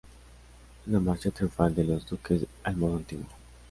Es la marcha triunfal de los duques al modo antiguo.